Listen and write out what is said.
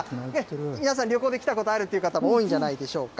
皆さん、旅行で来たことがあるという方、多いんじゃないでしょうか。